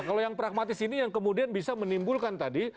kalau yang pragmatis ini yang kemudian bisa menimbulkan tadi